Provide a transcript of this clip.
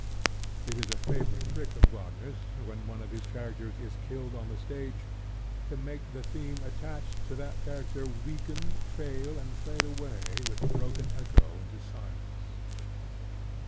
It is a favorite trick of Wagner's, when one of his characters is killed on the stage, to make the theme attached to that character weaken, fail, and fade away with a broken echo into silence.